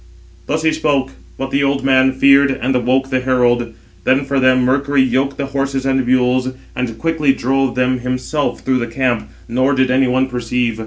Thus he spoke; but the old man feared, and awoke the herald. Then for them Mercury yoked the horses and mules, and quickly drove them himself through the camp, nor did any one perceive.